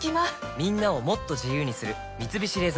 みんなをもっと自由にする「三菱冷蔵庫」